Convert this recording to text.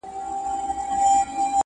دېوالونه سوري كول كله كمال دئ،